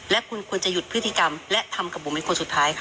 และคุณควรจะหยุดพฤติกรรมและทำกับบุ๋มเป็นคนสุดท้ายค่ะ